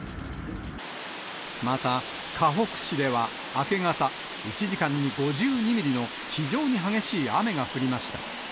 また、かほく市では明け方、１時間に５２ミリの非常に激しい雨が降りました。